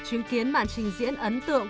chứng kiến mạng trình diễn ấn tượng